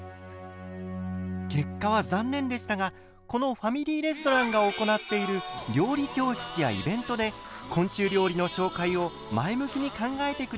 結果は残念でしたがこのファミリーレストランが行っている料理教室やイベントで昆虫料理の紹介を前向きに考えてくれることになりました。